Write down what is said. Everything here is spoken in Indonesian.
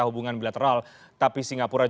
har saujah dan mar